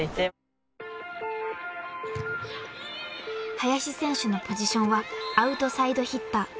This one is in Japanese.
［林選手のポジションはアウトサイドヒッター］